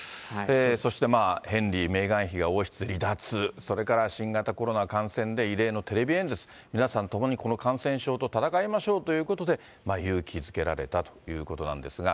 そしてまあヘンリー、メーガン妃が離脱、それから新型コロナ感染で異例のテレビ演説、皆さん、共にこの感染症と闘いましょうということで、勇気づけられたということなんですが。